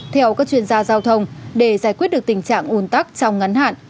theo các chuyên gia giao thông để giải quyết được tình trạng ủn tắc trong ngắn hạn